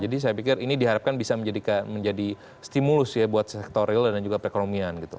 jadi saya pikir ini diharapkan bisa menjadi stimulus ya buat sektor real dan juga perekonomian gitu